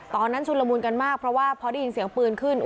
ชุนละมุนกันมากเพราะว่าพอได้ยินเสียงปืนขึ้น